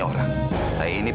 gerak canggul sob